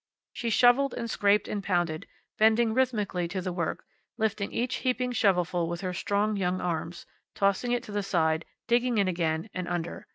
She shoveled and scraped and pounded, bending rhythmically to the work, lifting each heaping shovelful with her strong young arms, tossing it to the side, digging in again, and under.